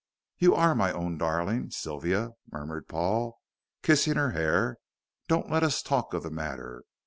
"You are my own darling, Sylvia," murmured Paul, kissing her hair; "don't let us talk of the matter.